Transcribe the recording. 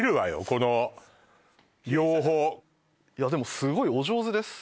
この両方いやでもすごいお上手です